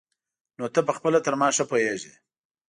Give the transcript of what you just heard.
نو ته پخپله تر ما ښه پوهېږي.